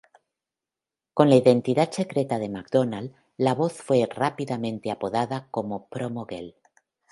Con la identidad secreta de MacDonald, la voz fue rápidamente apodada como Promo Girl.